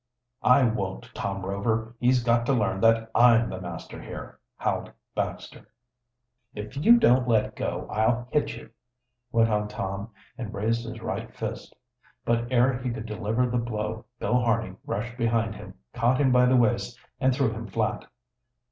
"I won't, Tom Rover. He's got to learn that I'm the master here," howled Baxter. "If you don't let go, I'll hit you," went on Tom, and raised his right fist. But ere he could deliver the blow Bill Harney rushed behind him, caught him by the waist and threw him flat.